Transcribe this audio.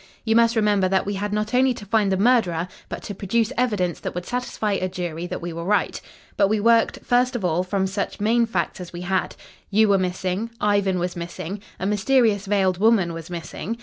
You must remember, that we had not only to find the murderer, but to produce evidence that would satisfy a jury that we were right. But we worked, first of all, from such main facts as we had. You were missing. Ivan was missing. A mysterious veiled woman was missing.